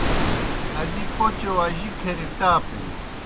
ادی پوْچوْ اجی کھری ٹاپِن۔